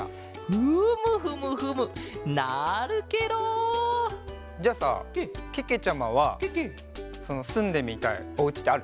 フムフムフムなるケロ！じゃあさけけちゃまはそのすんでみたいおうちってある？